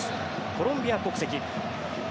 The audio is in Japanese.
コロンビア国籍。